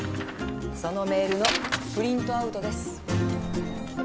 そのメールのプリントアウトです。